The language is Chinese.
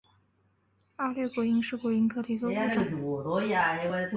二裂果蝇是果蝇科的一个物种。